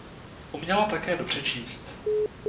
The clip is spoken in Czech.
Uměla také dobře číst.